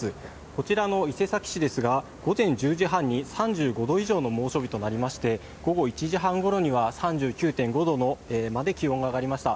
こちらの伊勢崎市ですが、午前１０時半に３５度以上の猛暑日となりまして、午後１時半ごろには３９．５度まで気温が上がりました。